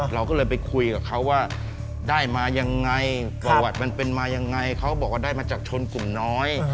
เราก็เลยไปคุยกับเขาว่าได้มายังไงประวัติมันเป็นมายังไงเขาบอกว่าได้มาจากชนกลุ่มน้อย